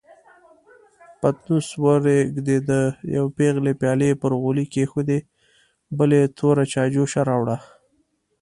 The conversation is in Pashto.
پتنوس ورېږدېد، يوې پېغلې پيالې پر غولي کېښودې، بلې توره چايجوشه راوړه.